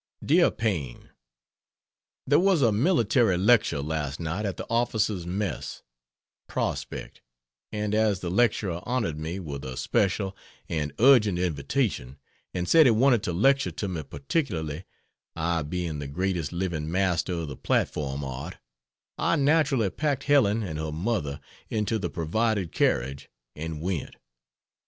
DEAR PAINE, ... There was a military lecture last night at the Officer's Mess, prospect, and as the lecturer honored me with a special and urgent invitation and said he wanted to lecture to me particularly, I being "the greatest living master of the platform art," I naturally packed Helen and her mother into the provided carriage and went.